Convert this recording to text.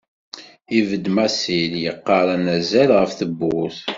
Ibedd Masil yeqqar anazal ɣef tewwurt.